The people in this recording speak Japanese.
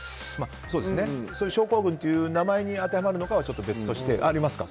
そういう症候群という名前に当てはまるかはちょっと別として、ありますか。